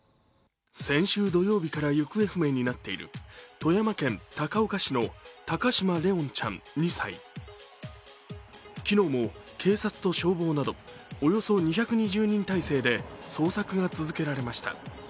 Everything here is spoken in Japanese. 先週土曜日から行方不明になっている富山県高岡市の高嶋怜音ちゃん２歳昨日も警察と消防などおよそ２２０人態勢で捜索が続けられました。